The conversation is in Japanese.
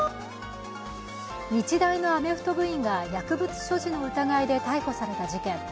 日大のアメフト部員が薬物所持の疑いで逮捕された事件。